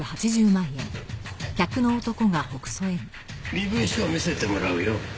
身分証は見せてもらうよ。